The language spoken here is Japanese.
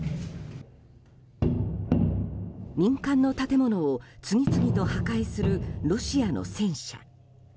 民間の建物を次々と破壊するロシアの戦車。